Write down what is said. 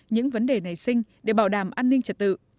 những vấn đề nảy sinh để bảo đảm an ninh trật tự